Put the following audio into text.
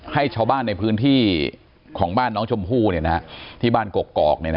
ให้ชาวบ้านในพื้นที่ของบ้านน้องชมพู่ที่บ้านกกอก